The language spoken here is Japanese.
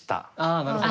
あなるほど。